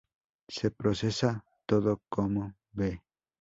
Se procesa todo como B-.